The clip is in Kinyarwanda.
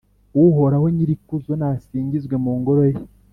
Uhoraho Nyirikuzo nasingirizwe mu Ngoro ye